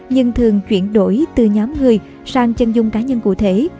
nhưng thường chuyển đổi từ nhóm người sang chân dung cá nhân cụ thể